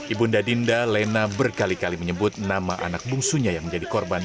ibu nda dinda lena berkali kali menyebut nama anak bungsunya yang menjadi korban